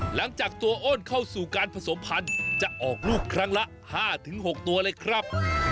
หลังจากตัวอ้นเข้าสู่การผสมพันธุ์จะออกลูกครั้งละ๕๖ตัวเลยครับ